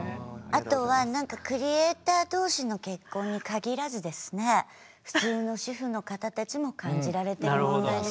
あとはクリエイター同士の結婚に限らずですね普通の主婦の方たちも感じられてる問題です。